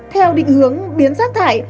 theo định hướng biến rác thải